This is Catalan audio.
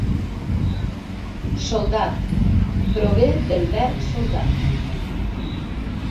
Soldat: "Prové del verb soldar.